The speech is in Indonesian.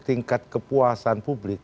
tingkat kepuasan publik